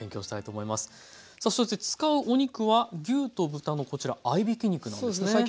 さあそして使うお肉は牛と豚のこちら合いびき肉なんですね。